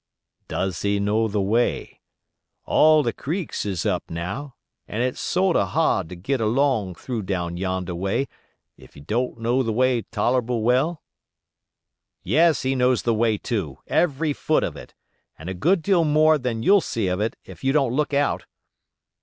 "Does he know the way? All the creeks is up now, an' it's sort o' hard to git erlong through down yonder way if you don't know the way toller'ble well?" "Yes, he knows the way too—every foot of it—and a good deal more than you'll see of it if you don't look out."